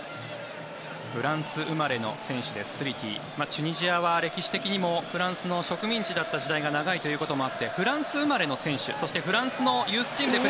チュニジアは歴史的にもフランスの植民地だった時代が長いということもあってフランス生まれの選手そしてフランスのユースチームで。